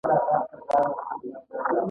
د کوه بند ولسوالۍ غرنۍ ده